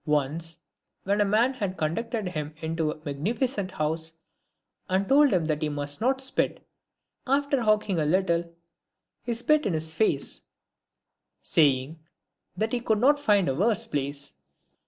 Once, when a man had conducted him into a magnificent house, and had told him that he must not spit, after hawking a little, he spit in his face, saying that he could not find a worse place.